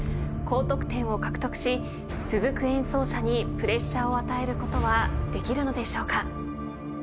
高得点を獲得し続く演奏者にプレッシャーを与えることはできるのでしょうか。